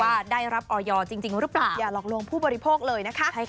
ว่าได้รับออยจริงหรือเปล่าอย่าหลอกลวงผู้บริโภคเลยนะคะ